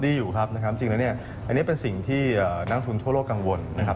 ดีอยู่ครับจริงแล้วนี่เป็นสิ่งที่นักทุนทั่วโลกกังวลนะครับ